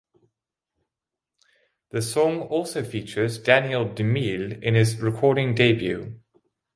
The song also features Daniel Dumile in his recording debut.